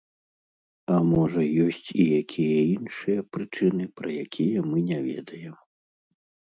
А, можа, ёсць і якія іншыя прычыны, пра якія мы не ведаем.